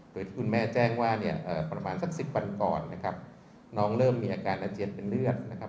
โดยที่คุณแม่แจ้งว่าเนี่ยประมาณสัก๑๐วันก่อนนะครับน้องเริ่มมีอาการอาเจียนเป็นเลือดนะครับ